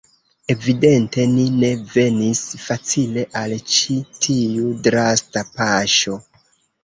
Evidente ni ne venis facile al ĉi tiu drasta paŝo.